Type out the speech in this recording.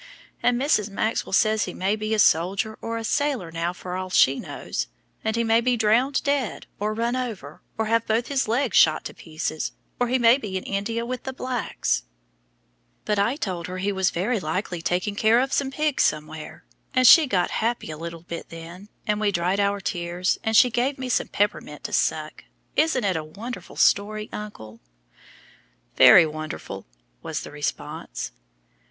And Mrs. Maxwell says he may be a soldier or a sailor now for all she knows, and he may be drownded dead, or run over, or have both his legs shot to pieces, or he may be in India with the blacks; but I told her he was very likely taking care of some pigs somewhere, and she got happy a little bit then, and we dried our tears, and she gave me some peppermint to suck. Isn't it a wonderful story, uncle?" "Very wonderful," was the response.